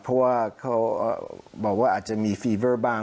เพราะว่าเขาบอกว่าอาจจะมีฟีเบอร์บ้าง